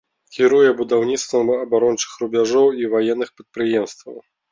Кіруе будаўніцтвам абарончых рубяжоў і ваенных прадпрыемстваў.